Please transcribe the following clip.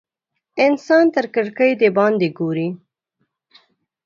انسان تر کړکۍ د باندې ګوري.